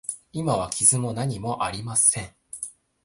今は傷も何もありません。